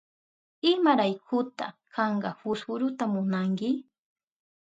¿Imaraykuta kanka fusfuruta munanki?